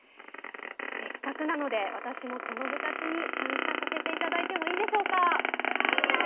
せっかくなので、私もこの部活に参加させていただいてもいいでしいいよ。